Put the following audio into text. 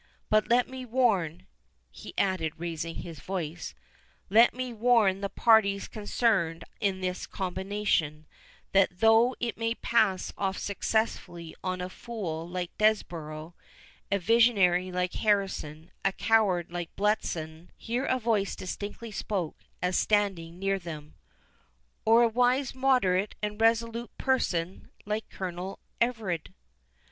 But let me warn," (he added, raising his voice,)—"let me warn the parties concerned in this combination, that though it may pass off successfully on a fool like Desborough, a visionary like Harrison, a coward like Bletson"— Here a voice distinctly spoke, as standing near them—"or a wise, moderate, and resolute person, like Colonel Everard."